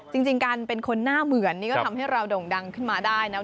จริงการเป็นคนหน้าเหมือนนี่ก็ทำให้เราโด่งดังขึ้นมาได้นะ